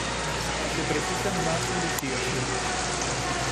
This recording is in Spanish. Se precisan más investigaciones.